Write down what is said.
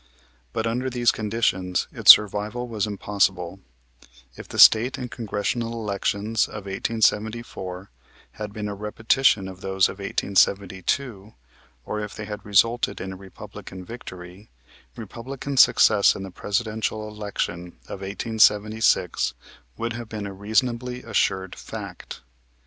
But, under these conditions, its survival was impossible. If the State and Congressional elections of 1874 had been a repetition of those of 1872 or if they had resulted in a Republican victory, Republican success in the Presidential election of 1876 would have been a reasonably assured fact.